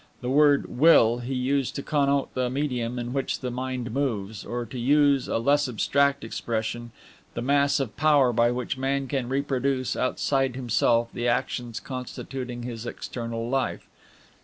The word Will he used to connote the medium in which the mind moves, or to use a less abstract expression, the mass of power by which man can reproduce, outside himself, the actions constituting his external life.